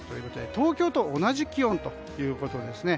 東京と同じ気温ということですね。